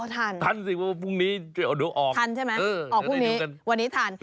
ทันทันสิว่าพรุ่งนี้ช่วยเอาดวงออกทันใช่ไหมออกพรุ่งนี้วันนี้ทัน